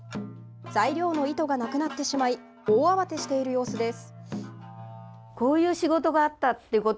材料の糸がなくなってしまい、大慌てしている様子です。